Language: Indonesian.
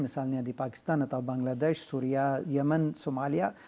misalnya di pakistan atau bangladesh suria yemen somalia